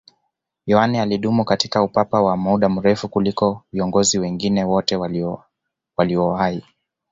yohane alidumu katika upapa kwa muda mrefu kuliko viongozi wengine wote waliowahi